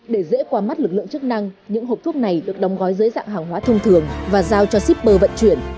để dễ qua mắt lực lượng chức năng những hộp thuốc này được đóng gói dưới dạng hàng hóa thông thường và giao cho shipper vận chuyển